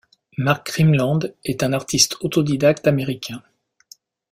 Mark Rimland est un artiste autodidacte américain.